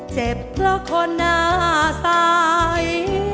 เจ็บเพราะคนหน้าใส